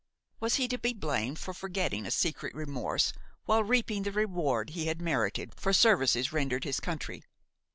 Was he to be blamed for forgetting a secret remorse while reaping the reward he had merited for services rendered his country?